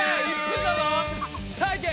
さあいけ！